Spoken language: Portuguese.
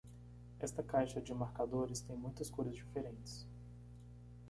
Esta caixa de marcadores tem muitas cores diferentes.